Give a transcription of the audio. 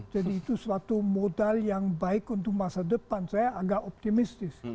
jadi itu suatu modal yang baik untuk masa depan saya agak optimistis